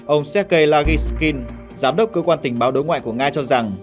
ông sergei lagiskin giám đốc cơ quan tình báo đối ngoại của nga cho rằng